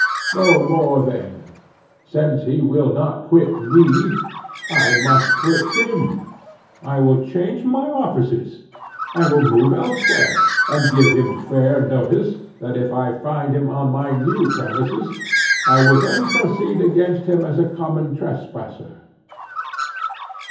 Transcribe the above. No more then. Since he will not quit me, I must quit him. I will change my offices; I will move elsewhere; and give him fair notice, that if I find him on my new premises I will then proceed against him as a common trespasser.